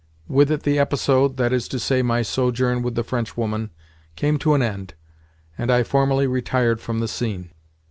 With it the episode—that is to say, my sojourn with the Frenchwoman—came to an end, and I formally retired from the scene.